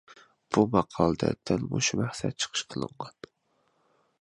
بۇ ماقالىدە دەل مۇشۇ مەقسەت چىقىش قىلىنغان.